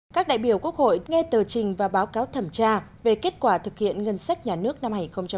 các đại biểu quốc hội nghe tờ trình và báo cáo thẩm tra về kết quả thực hiện ngân sách nhà nước năm hai nghìn một mươi chín